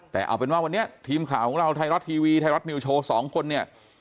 แต่เอาเป็นว่าวันนี้ทีมข่าวของเราไทยรัฐทีวีไทยรัฐนิวโชว์สองคนเนี่ย